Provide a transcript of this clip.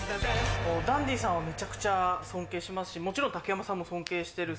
ダンディさんはめちゃくちゃ尊敬しますしもちろん竹山さんも尊敬してる